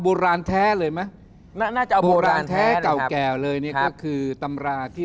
โบราณแท้เลยไหมน่าจะเอาโบราณแท้เก่าแก่เลยนี่ก็คือตำราที่